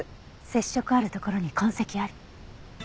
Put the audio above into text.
接触あるところに痕跡あり。